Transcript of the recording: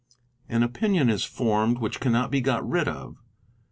An opinion is formed which cannot be got rid of.